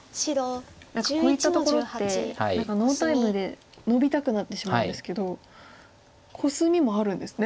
何かこういったところってノータイムでノビたくなってしまうんですけどコスミもあるんですね。